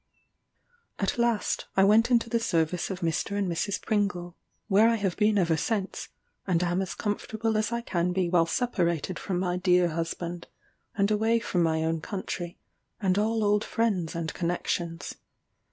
At last I went into the service of Mr. and Mrs. Pringle, where I have been ever since, and am as comfortable as I can be while separated from my dear husband, and away from my own country and all old friends and connections.